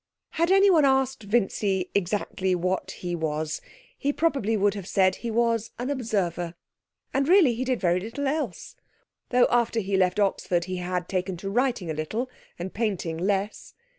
Had anyone asked Vincy exactly what he was he would probably have said he was an Observer, and really he did very little else, though after he left Oxford he had taken to writing a little, and painting less.